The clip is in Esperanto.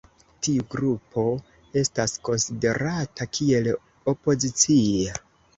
Tiu grupo estas konsiderata kiel opozicia.